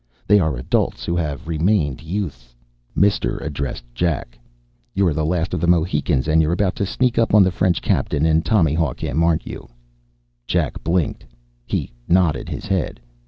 They are adults who have remained youths." Mister addressed Jack, "You're the Last of the Mohicans, and you're about to sneak up on the French captain and tomahawk him, aren't you?" Jack blinked. He nodded his head.